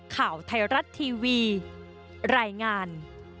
ข่าวไทยรัฐทีวีรายงาน